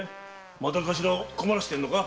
また頭を困らせてるのか？